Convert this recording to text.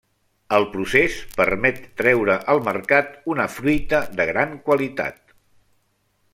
El procés permet treure al mercat una fruita de gran qualitat.